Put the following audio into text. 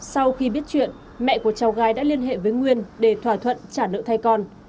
sau khi biết chuyện mẹ của cháu gái đã liên hệ với nguyên để thỏa thuận trả nợ thay con